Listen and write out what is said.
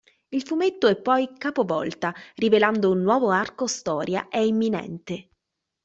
Il fumetto è poi capovolta, rivelando un nuovo arco storia è imminente.